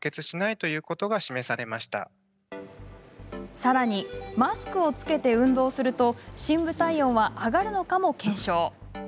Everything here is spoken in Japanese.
さらにマスクを着けて運動すると深部体温は上がるのかも検証。